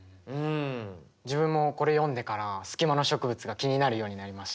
自分もこれ読んでからスキマの植物が気になるようになりました。